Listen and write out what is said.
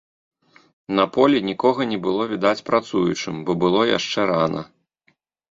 На полі нікога не было відаць працуючым, бо было яшчэ рана.